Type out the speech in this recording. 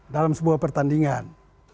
dalam sebuah pertandingan